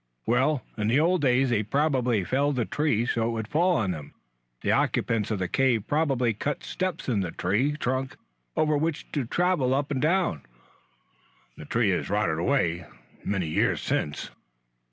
"Well, in the old days they probably felled a tree so it would fall on them. The occupants of the cave probably cut steps in the tree trunk over which to travel up and down. The tree has rotted away many years since."